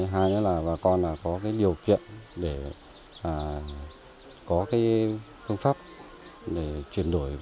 hai lẽ là bà con có cái điều kiện để có cái phương pháp để chuyển đổi